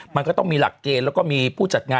มันก็ต้องมีหลักเกณฑ์แล้วก็มีผู้จัดงาน